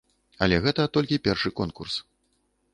Але гэта толькі першы конкурс.